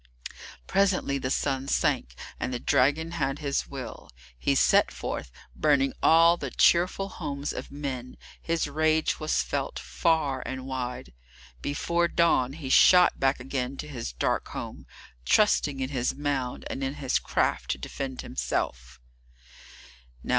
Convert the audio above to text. Presently the sun sank, and the dragon had his will. He set forth, burning all the cheerful homes of men: his rage was felt far and wide. Before dawn he shot back again to his dark home, trusting in his mound and in his craft to defend himself.